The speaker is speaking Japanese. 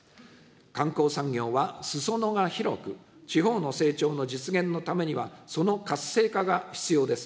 観光産業はすそ野が広く、地方の成長の実現のためには、その活性化が必要です。